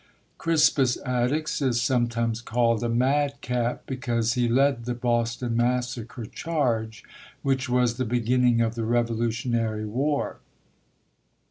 Crispus Attucks is sometimes called a madcap, because he led the Boston Massacre charge, which was the beginning of the Revolutionary War.